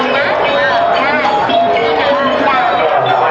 ทุกคนกลับมาเมื่อเวลาอาทิตย์สุดท้าย